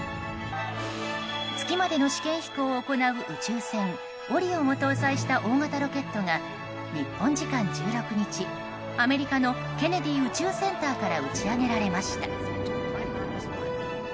月までの試験飛行を行う宇宙船「オリオン」を搭載した大型ロケットが日本時間１６日アメリカのケネディ宇宙センターから打ち上げられました。